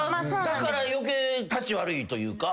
だから余計たち悪いというか。